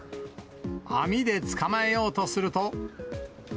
網で捕まえようとすると。